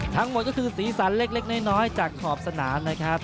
ทั้งหมดก็คือสีสันเล็กน้อยจากขอบสนามนะครับ